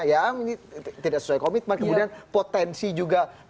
ya ini tidak sesuai komitmen kemudian potensi juga